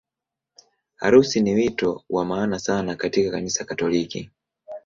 Harusi ni wito wa maana sana katika Kanisa Katoliki.